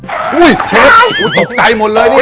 โอ้โหเชฟกูตกใจหมดเลยเนี่ย